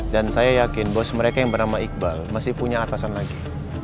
dan saya yakin bos mereka yang bernama iqbal masih punya atasan lagi